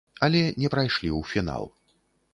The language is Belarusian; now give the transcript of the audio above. Але не прайшлі ў фінал.